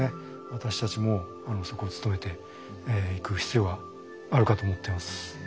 私たちもそこを努めていく必要があるかと思ってます。